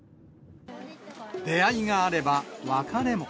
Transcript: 出会いがあれば、別れも。